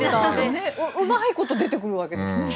うまいこと出てくるわけですよね。